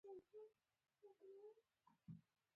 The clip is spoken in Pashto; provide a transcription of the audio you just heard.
مينې د حشمتي د ځواب لپاره هېڅ تمه ونه کړه.